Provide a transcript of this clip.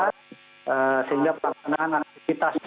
sehingga pelaksanaan aktivitas